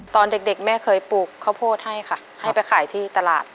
ตอนเด็กแม่เคยปลูกข้าวโพดให้ค่ะให้ไปขายที่ตลาด